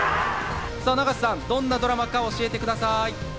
永瀬さん、どんなドラマか教えてください。